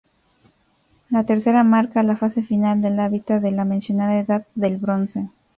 La tercera marca la fase final del hábitat de la mencionada Edad del Bronce.